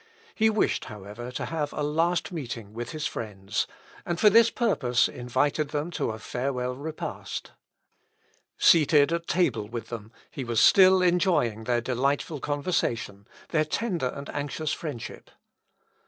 He wished, however, to have a last meeting with his friends, and for this purpose invited them to a farewell repast. Seated at table with them, he was still enjoying their delightful conversation, their tender and anxious friendship.